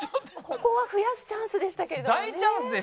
ここは増やすチャンスでしたけれどもね。